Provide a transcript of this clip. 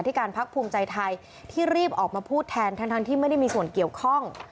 การพักภูมิใจไทยที่รีบออกมาพูดแทนทั้งที่ไม่ได้มีส่วนเกี่ยวข้อง